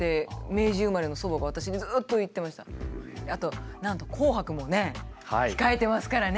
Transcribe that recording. あとなんと「紅白」もね控えてますからね。